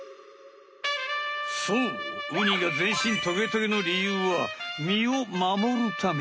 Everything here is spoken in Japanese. そうウニが全身トゲトゲのりゆうは身を守るため。